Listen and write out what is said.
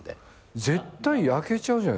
絶対焼けちゃうじゃないですか。